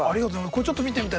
これちょっと見てみたい。